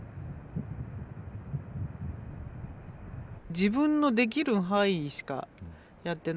自分のできる範囲しかやってないけど。